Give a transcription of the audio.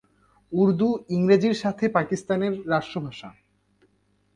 উর্দু ইংরেজির সাথে পাকিস্তান এর রাষ্ট্রভাষা।